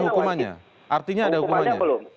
hukumannya belum tidak ada hukuman